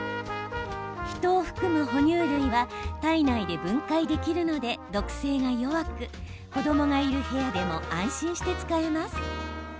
人を含む哺乳類は体内で分解できるので毒性が弱く子どもがいる部屋でも安心して使えます。